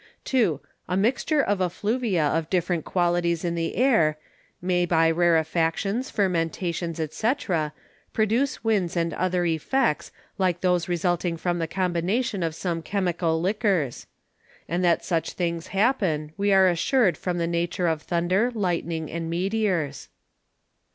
2. A mixture of Effluvia of different qualities in the Air, may by Rarefactions, Fermentations, &c. produce Winds and other Effects like those resulting from the Combination of some Chymical Liquors; and that such things happen, we are assured from the Nature of Thunder, Lightning, and Meteors.